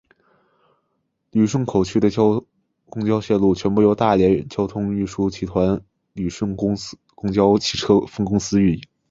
旅顺口区的公交线路全部由大连交通运输集团旅顺公交汽车分公司运营。